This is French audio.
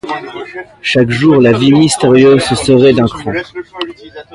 Chaque jour la vis mystérieuse se serrait d’un cran.